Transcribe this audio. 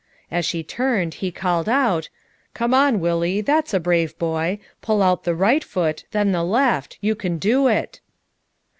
As she turned he called out: "Come on, Willie, that's a brave boy; pull out the right foot, then the left, you can do it."